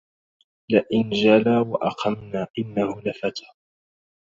لئن جلا وأقمنا إنه لفتى